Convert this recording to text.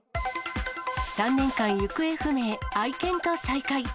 ３年間行方不明、愛犬と再会。